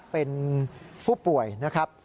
เป็นผู้ป่วยนะครับ